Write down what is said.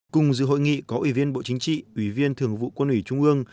cùng dự hội nghị có ủy viên bộ chính trị ủy viên thường vụ quân ủy trung ương